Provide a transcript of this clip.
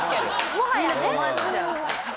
もはやね。